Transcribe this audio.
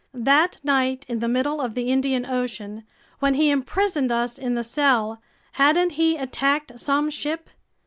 That night in the middle of the Indian Ocean, when he imprisoned us in the cell, hadn't he attacked some ship?